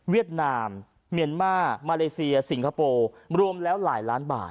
ดนามเมียนมาร์มาเลเซียสิงคโปร์รวมแล้วหลายล้านบาท